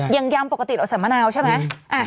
ยำปกติเราใส่มะนาวใช่ไหม